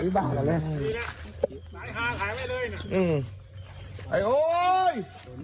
ไอ้ฮาขายไว้เลยนะอืมไอ้โอ๊ย